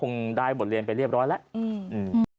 คุณธิชานุลภูริทัพธนกุลอายุ๓๔